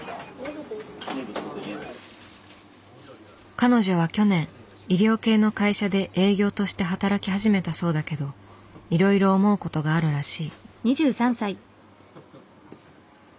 彼女は去年医療系の会社で営業として働き始めたそうだけどいろいろ思うことがあるらしい。